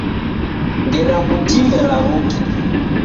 Ngera kutime law'uke.